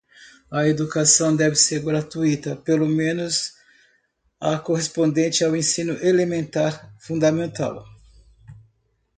A educação deve ser gratuita, pelo menos a correspondente ao ensino elementar fundamental.